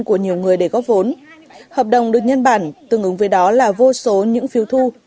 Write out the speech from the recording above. của nhiều người để góp vốn hợp đồng được nhân bản tương ứng với đó là vô số những phiếu thu